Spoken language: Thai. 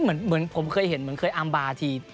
เหมือนผมเคยเห็นเหมือนเคยอามบาร์ที